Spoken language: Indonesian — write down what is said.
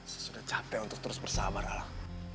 saya sudah capek untuk terus bersabar alang